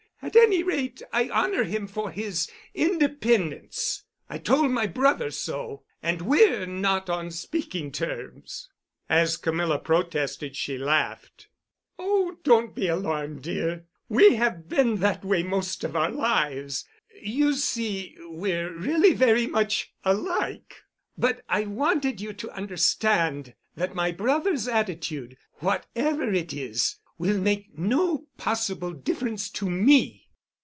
At any rate, I honor him for his independence. I told my brother so—and we're not on speaking terms." As Camilla protested she laughed. "Oh, don't be alarmed, dear; we have been that way most of our lives. You see we're really very much alike. But I wanted you to understand that my brother's attitude, whatever it is, will make no possible difference to me."